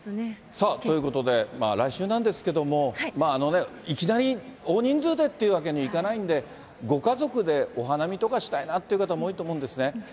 さあ、ということで、来週なんですけども、いきなり大人数でっていうわけにいかないんで、ご家族でお花見とかしたいなっていう方、多いと思うんですね。